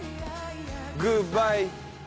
「グッバイ」